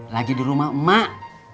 lagi di rumah mak